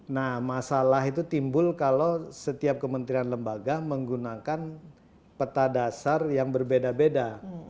nah masalah itu timbul kalau setiap kementerian lembaga menggunakan peta dasar yang berbeda beda